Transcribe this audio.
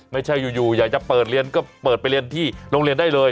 ไม่ใช่อยู่อยากจะเปิดเรียนก็เปิดไปเรียนที่โรงเรียนได้เลย